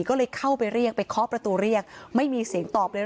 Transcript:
ก็เลยเข้าไปเรียกไปเคาะประตูเรียกไม่มีเสียงตอบเลย